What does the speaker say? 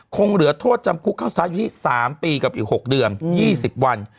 คงเหลือโทษจำคุกเข้าท้ายอยู่ที่๓ปีกับอีก๖เดือน๒๐วัน